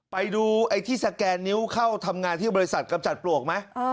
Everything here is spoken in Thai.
ไปดูไอ้ที่สแกนนิ้วเข้าทำงานที่บริษัทกำจัดปลวกไหม